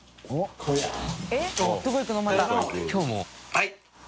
はい。